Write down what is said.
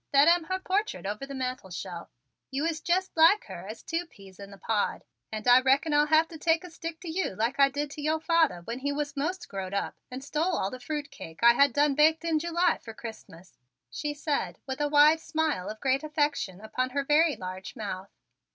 That am her portrait over the mantelshelf. You is jest like her as two peas in the pod and I reckin I'll have to take a stick to you like I did to yo' father when he was most growed up and stole all the fruitcake I had done baked in July fer Christmas," she said with a wide smile of great affection upon her very large mouth.